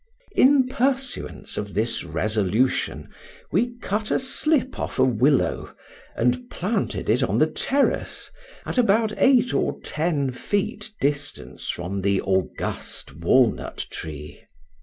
In pursuance of this resolution, we cut a slip off a willow, and planted it on the terrace, at about eight or ten feet distance from the august walnut tree.